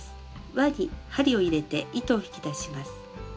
輪に針を入れて糸を引き出します。